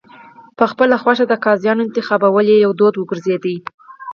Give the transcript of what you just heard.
په خپله خوښه د قاضیانو ټاکل یو دود وګرځېد.